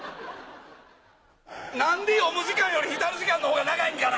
何で読む時間より浸る時間のほうが長いんかな！